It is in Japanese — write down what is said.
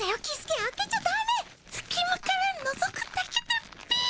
すき間からのぞくだけだっピ。